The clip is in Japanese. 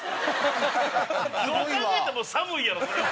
どう考えても寒いやろそれは。